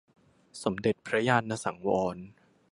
สมเด็จพระญาณสังวร